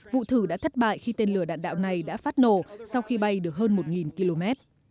vụ thử đã thất bại khi tên lửa đạn đạo này đã phát nổ sau khi bay được hơn một km